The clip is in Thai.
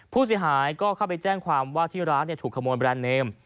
ผู้เสียหายก็เข้าไปแจ้งความว่าที่ร้านถูกขโมยแบรนด์เนม